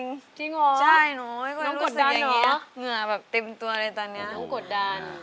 น้องกดดัน